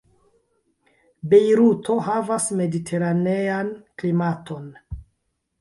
Bejruto havas mediteranean klimaton.